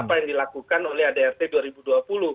apa yang dilakukan oleh adrt dua ribu dua puluh